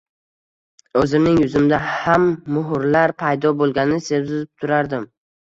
Oʻzimning yuzimda ham muhrlar paydo boʻlganini sezib turardim.